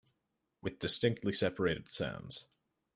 With distinctly separated sounds.